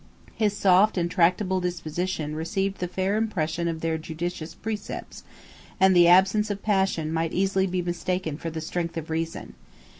His soft and tractable disposition received the fair impression of their judicious precepts, and the absence of passion might easily be mistaken for the strength of reason.